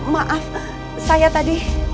maaf kami dah terserah